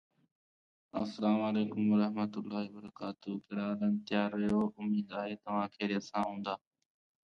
His recording techniques are often admired for their transparency, warmth and presence.